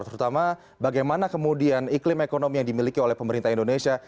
terutama bagaimana kemudian iklim ekonomi yang dimiliki oleh pemerintah indonesia